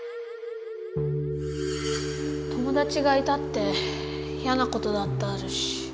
友達がいたっていやなことだってあるし。